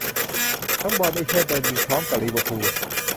ทั้งบอล ไอ้เชิดโดนยิงพร้อมกะลิเวอร์พูล